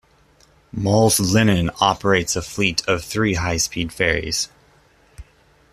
Mols-Linen operates a fleet of three high speed ferries.